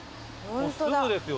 すぐですよ。